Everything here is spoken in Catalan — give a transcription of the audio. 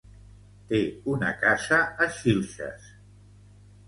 Té una casa a Xilxes.